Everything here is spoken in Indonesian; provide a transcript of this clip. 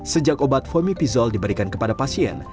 sejak obat femipizol diberikan kepada pasien